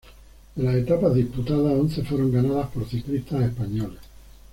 De las etapas disputadas, once fueron ganadas por ciclistas españoles.